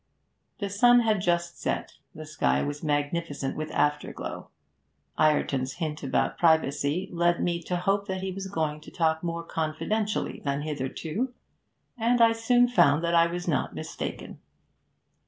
The sun had just set; the sky was magnificent with afterglow. Ireton's hint about privacy led me to hope that he was going to talk more confidentially than hitherto, and I soon found that I was not mistaken.